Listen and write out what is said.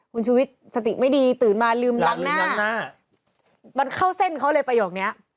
คุณชุวิตสติไม่ดีตื่นมาลืมล้างหน้ามันเข้าเส้นเขาเลยประโยคนี้